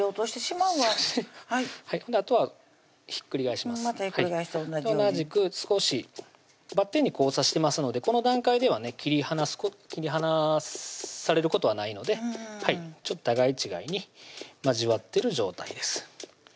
またひっくり返して同じように同じく少しバッテンに交差してますのでこの段階ではね切り離されることはないので互い違いに交わってる状態です